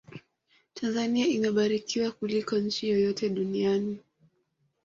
tanzania imebarikiwa kuliko nchi yoyote duniani